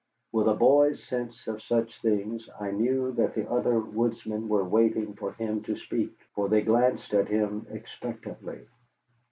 With a boy's sense of such things I knew that the other woodsmen were waiting for him to speak, for they glanced at him expectantly.